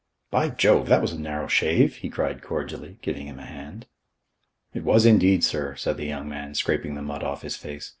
"By Jove, that was a narrow shave!" he cried cordially, giving him a hand. "It was indeed, sir," said the young man, scraping the mud off his face.